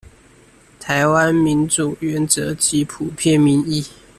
臺灣民主原則及普遍民意